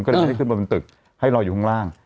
ก็เลยขึ้นมาเป็นตึกและลอยอยู่ข้างล่าง